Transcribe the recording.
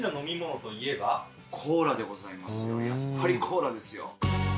やっぱりコーラですよ